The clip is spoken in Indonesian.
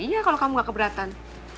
ya iya kalau kamu nggak keberatan